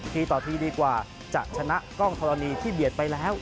ทีต่อทีดีกว่าจะชนะกล้องธรณีที่เบียดไปแล้ว